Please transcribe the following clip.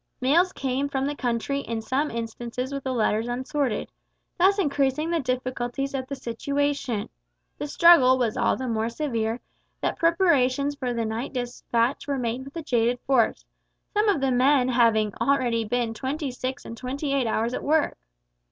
Mails came from the country in some instances with the letters unsorted, thus increasing the difficulties of the situation. The struggle was all the more severe that preparations for the night despatch were begun with a jaded force, some of the men having already been twenty six and twenty eight hours at work.